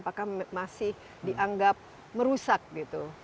apakah masih dianggap merusak gitu